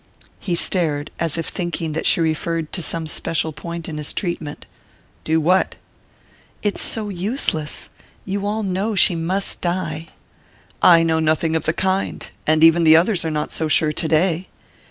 He stared, as if thinking that she referred to some special point in his treatment. "Do what?" "It's so useless...you all know she must die." "I know nothing of the kind...and even the others are not so sure today."